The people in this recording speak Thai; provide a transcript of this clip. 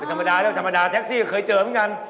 ธรรมดาเรื่องธรรมดาแท็กซี่ก็เคยเจอเหมือนกัน